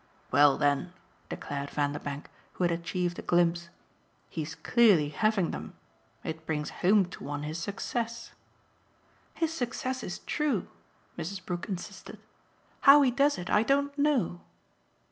"Well then," declared Vanderbank, who had achieved a glimpse, "he's clearly having them. It brings home to one his success." "His success is true," Mrs. Brook insisted. "How he does it I don't know."